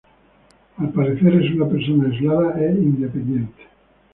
Al parecer, es una persona aislada e independiente.